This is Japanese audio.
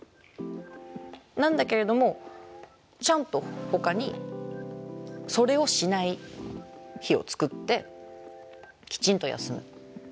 なんだけれどもちゃんとほかにそれをしない日を作ってきちんと休む。